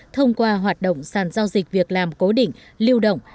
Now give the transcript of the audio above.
thông qua hoạt động sàn giao dịch việc làm cố định lưu động